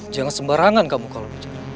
jangan sembarangan kamu kalau bicara